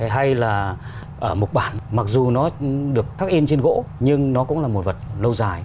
hay là ở mộc bản mặc dù nó được thắc in trên gỗ nhưng nó cũng là một vật lâu dài